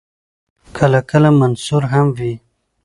کله کله منثور هم وي.